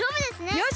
よし！